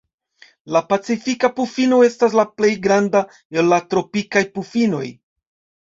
La Pacifika pufino estas la plej granda el la tropikaj pufinoj.